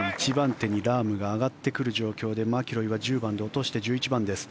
手にラームが上がってくる状況でマキロイは１０番で落として１１番です。